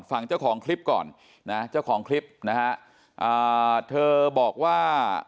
ฝั่งเจ้าของคลิปก่อนนะเจ้าของคลิปนะฮะอ่าเธอบอกว่า